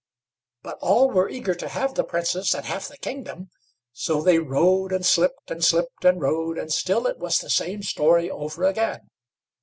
But all were eager to have the Princess and half the kingdom. So they rode and slipped, and slipped and rode, and still it was the same story over again.